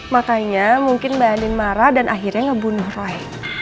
makanya mungkin mbak andin marah dan akhirnya ngebunuh